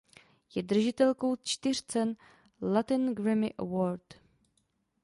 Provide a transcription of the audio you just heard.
Je držitelkou čtyř cen Latin Grammy Award.